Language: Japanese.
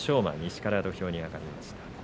馬、西から土俵に上がりました。